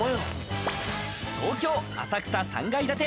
東京・浅草、３階建て。